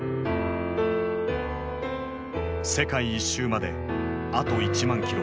世界一周まであと１万キロ。